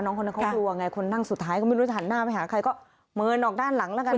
คนนั้นเขากลัวไงคนนั่งสุดท้ายก็ไม่รู้จะหันหน้าไปหาใครก็เมินออกด้านหลังแล้วกัน